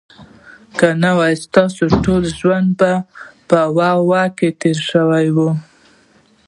که نه نو ستاسو ټول ژوند به په "واه، واه" کي تیر سي